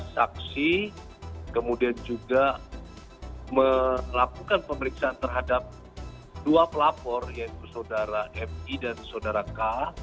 saksi kemudian juga melakukan pemeriksaan terhadap dua pelapor yaitu saudara mi dan saudara k